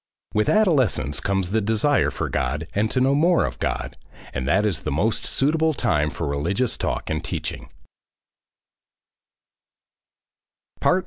... With adolescence comes the desire for God and to know more of God, and that is the most suitable time for religious talk and teaching.